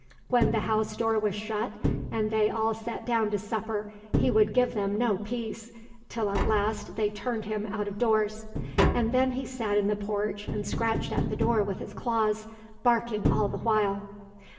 When the house door was shut and they all sat down to supper, he would give them no peace, till at last they turned him out of doors. And then he sat in the porch and scratched at the door with his claws, barking all the while.